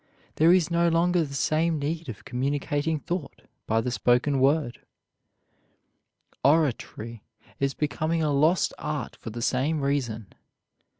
There is no longer the same need of communicating thought by the spoken word. Oratory is becoming a lost art for the same reason.